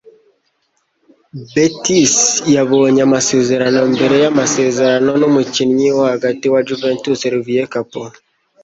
Betis yabonye amasezerano mbere yamasezerano numukinnyi wo hagati wa Juventus Olivier Kapo